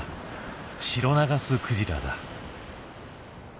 シロナガスクジラだ。